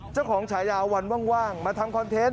เจ้าของชายาววันว่างมาทำคอนเทนต์